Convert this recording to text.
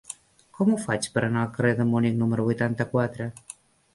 Com ho faig per anar al carrer de Munic número vuitanta-quatre?